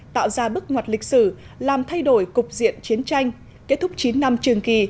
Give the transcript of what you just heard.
tạo ra bước ngoặt lịch sử làm thay đổi cục diện chiến tranh kết thúc chín năm trường kỳ